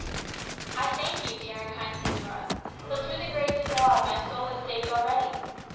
"I thank you, dear and kind señora; but, through the grace of God, my soul is saved already.